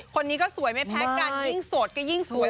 คนนี้ก็สวยไม่แพ้กันยิ่งโสดก็ยิ่งสวย